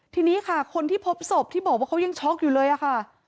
ทีนี้ค่ะคนที่พบศพที่บอกว่าเขายังช็อกอยู่เลยค่ะ